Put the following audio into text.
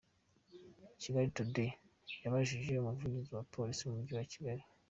Kigali today yabajije Umuvugizi wa Polisi mu mujyi wa Kigali,